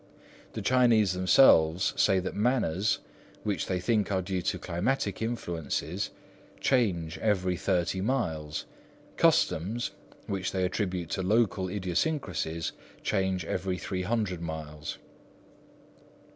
The Chinese themselves say that manners, which they think are due to climatic influences, change every thirty miles; customs, which they attribute to local idiosyncrasies, change every three hundred miles.